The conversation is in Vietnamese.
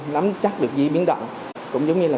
nắm chắc được di biến động cũng giống như là